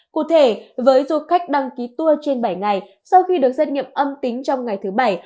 cụ thể với du khách đăng ký tour trên bảy ngày sau khi được xét nghiệm âm tính trong ngày thứ bảy